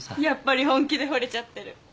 やっぱり本気でほれちゃってる。